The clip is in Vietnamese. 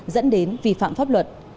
dẫn đến vi phạm pháp luật